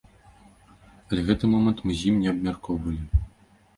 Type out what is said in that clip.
Але гэты момант мы з ім не абмяркоўвалі.